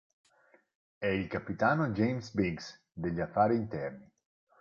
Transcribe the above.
È il capitano James Biggs, degli Affari Interni.